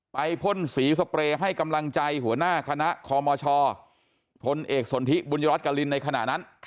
พ่นสีสเปรย์ให้กำลังใจหัวหน้าคณะคอมชพลเอกสนทิบุญรัฐกรินในขณะนั้น